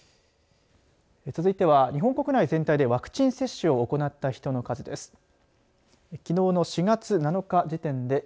続いては、日本国内全体でワクチン接種を行った人の数です。